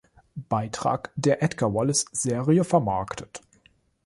Beitrag der Edgar-Wallace-Serie vermarktet.